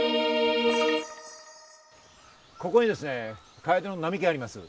ここにですね、カエデの並木があります。